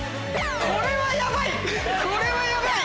これはヤバい！